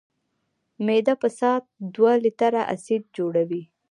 معده په ساعت دوه لیټره اسید جوړوي.